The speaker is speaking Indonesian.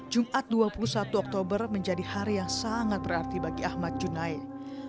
jumat dua puluh satu oktober menjadi hari yang sangat berarti bagi ahmad junaid